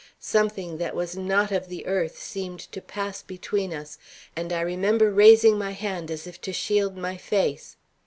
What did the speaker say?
Something that was not of the earth seemed to pass between us, and I remember raising my hand as if to shield my face.